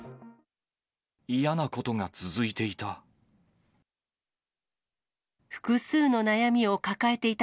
嫌なことが続いていた。